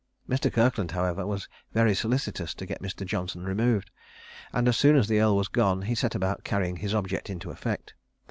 Mr. Kirkland, however, was very solicitous to get Mr. Johnson removed; and as soon as the earl was gone, he set about carrying his object into effect.